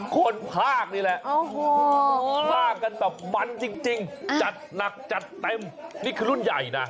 คนภาคนี่แหละพลากกันแบบมันจริงจัดหนักจัดเต็มนี่คือรุ่นใหญ่นะ